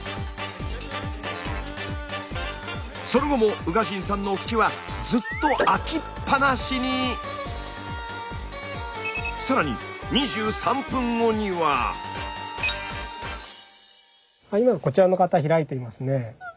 その後も宇賀神さんのお口はずっと更に今こちらの方開いていますね。